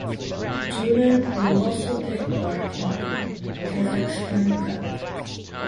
Turan will also take part in the Kazakhstan Cup.